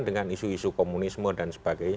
dengan isu isu komunisme dan sebagainya